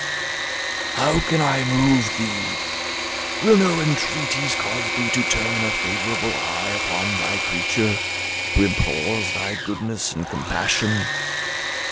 "How can I move thee? Will no entreaties cause thee to turn a favourable eye upon thy creature, who implores thy goodness and compassion?